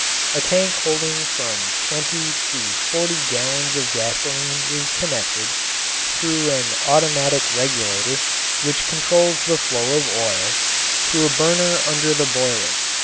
A tank holding from twenty to forty gallons of gasoline is connected, through an automatic regulator which controls the flow of oil, to a burner under the boiler.